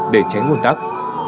để tránh nguồn tắc